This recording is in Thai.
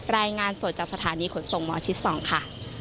รายงานสดจากสถานีขนส่งหมอชิด๒ค่ะ